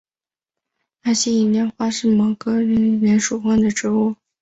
二歧银莲花是毛茛科银莲花属的植物。